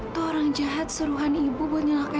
saya yang tertarik menjadi ping searches an atraber